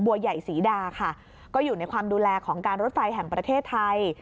ใหญ่ศรีดาค่ะก็อยู่ในความดูแลของการรถไฟแห่งประเทศไทย